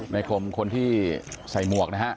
คมคนที่ใส่หมวกนะฮะ